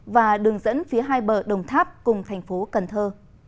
và đường dẫn phía hai bờ đồng tháp cùng thành phố cần thơ